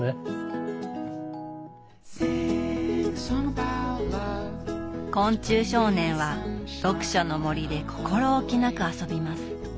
だからやっぱり昆虫少年は読書の森で心おきなく遊びます。